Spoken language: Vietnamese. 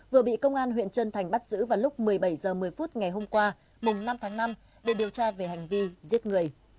vừa bị công an huyện trân thành bắt giữ vào lúc một mươi bảy h một mươi phút ngày hôm qua mùng năm tháng năm để điều tra về hành vi giết người